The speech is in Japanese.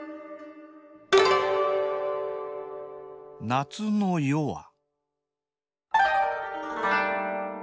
「夏の夜は」